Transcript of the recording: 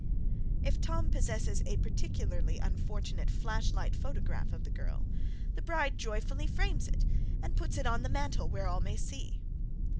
If Tom possesses a particularly unfortunate flash light photograph of the girl, the bride joyfully frames it and puts it on the mantel where all may see.